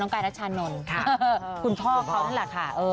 น้องไกรัชนนท์คุณพ่อคุณพ่อเลยแหละค่ะ